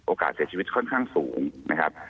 เสียชีวิตค่อนข้างสูงนะครับ